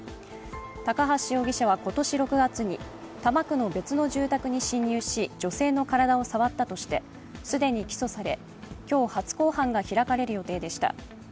高橋容疑者は今年６月に多摩区の別の住宅に侵入し女性の体を触ったとして既に起訴され今日、初公判が開かれる予定でした。